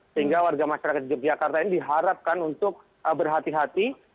sehingga warga masyarakat yogyakarta ini diharapkan untuk berhati hati